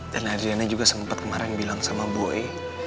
dan adriana juga sempet kemarin bilang sama boy